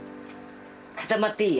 固まっていい？